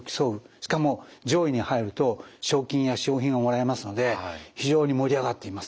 しかも上位に入ると賞金や賞品をもらえますので非常に盛り上がっています。